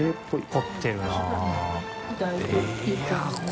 凝ってるな。